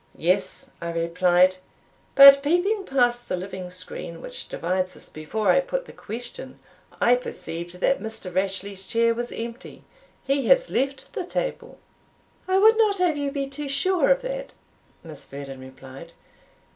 "Yes," I replied; "but peeping past the living screen which divides us, before I put the question, I perceived that Mr. Rashleigh's chair was empty he has left the table." "I would not have you be too sure of that," Miss Vernon replied.